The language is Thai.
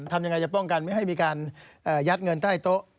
ทำยังไงจะป้องกันไม่ให้มีการยัดเงินใต้โต๊ะ